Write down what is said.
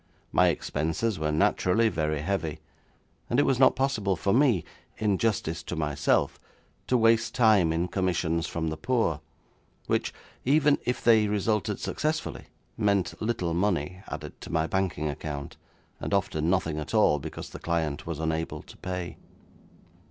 My expenses were naturally very heavy, and it was not possible for me, in justice to myself, to waste time in commissions from the poor, which even if they resulted successfully meant little money added to my banking account, and often nothing at all, because the client was unable to pay.